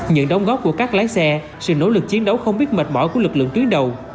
những đóng góp của các lái xe sự nỗ lực chiến đấu không biết mệt mỏi của lực lượng tuyến đầu